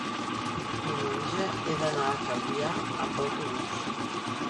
Diumenge he d'anar a Calvià amb autobús.